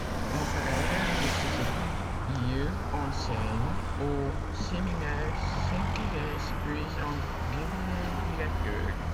En parallèle de ces études, il enseigne au séminaire Sainte-Thérèse puis en devient directeur.